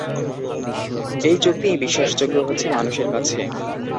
এই যুক্তিই বিশ্বাসযোগ্য হচ্ছে মানুষের কাছে।